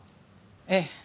ええ。